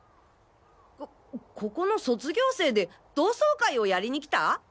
こここの卒業生で同窓会をやりに来た？